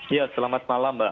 iya selamat malam mbak